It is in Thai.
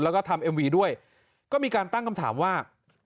แล้วก็ทำเอ็มวีด้วยก็มีการตั้งคำถามว่า